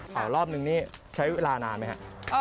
เผารอบนึงนี่ใช้เวลานานไหมค่ะ